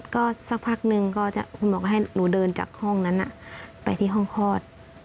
ก็สักพักนึงก็จะคุณหมอก็ให้หนูเดินจากห้องนั้นไปที่ห้องคลอด